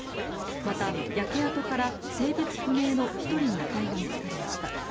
また、焼け跡から性別不明の１人の遺体が見つかりました。